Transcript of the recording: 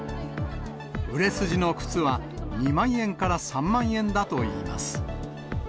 売れ筋の靴は、２万円から３万円だといいます。